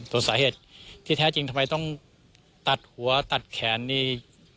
ส่วนสาเหตุที่แท้จริงทำไมต้องตัดหัวตัดแขนนี่